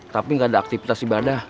tapi nggak ada aktivitas ibadah